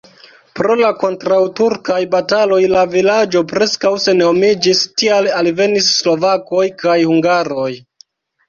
Pro la kontraŭturkaj bataloj la vilaĝo preskaŭ senhomiĝis, tial alvenis slovakoj kaj hungaroj.